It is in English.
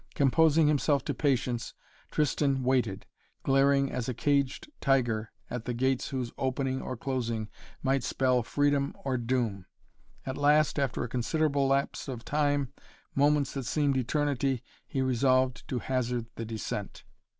Composing himself to patience, Tristan waited, glaring as a caged tiger at the gates whose opening or closing might spell freedom or doom. At last, after a considerable lapse of time, moments that seemed eternity, he resolved to hazard the descent.